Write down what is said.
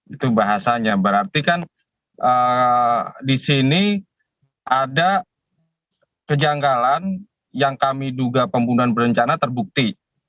itu bahasanya berarti kan di sini ada kejanggalan yang kami duga pembunuhan berencana terbukti